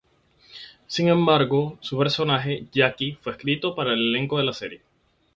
Sin embargo, su personaje, Jacqui, fue escrito para el elenco de la serie.